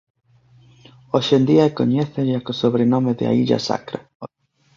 Hoxe en día coñécella co sobrenome de «a illa sacra».